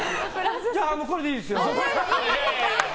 じゃあ、これでいいですよ。